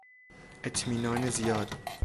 اطمینان زیاد